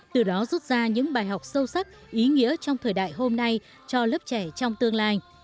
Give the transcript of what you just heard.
từ đó rút ra những bài học sâu sắc ý nghĩa trong thời đại hôm nay cho lớp trẻ trong tương lai